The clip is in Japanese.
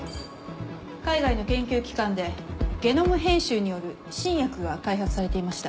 海外の研究機関でゲノム編集による新薬が開発されていました。